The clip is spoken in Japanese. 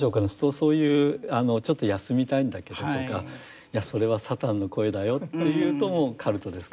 そういう「ちょっと休みたいんだけど」とか「いやそれはサタンの声だよ」というともうカルトですか。